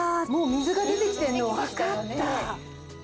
もう水が出てきてるの分かった。